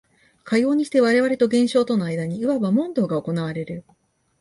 かようにして我々と現象との間にいわば問答が行われる。